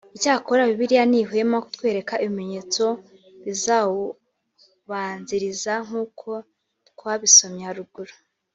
icyakora Bibiliya ntihwema kutwereka ibimenyetso bizawubanziriza nkuko twabisomye haruguru